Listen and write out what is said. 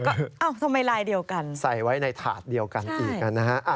เอ้าทำไมลายเดียวกันใส่ไว้ในถาดเดียวกันอีกนะฮะ